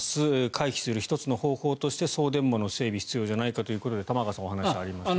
回避する１つの方法として送電網の整備が必要じゃないかということで玉川さんのお話がありました。